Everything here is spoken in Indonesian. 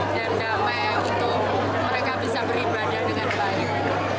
dan damai untuk mereka bisa beribadah dengan banyak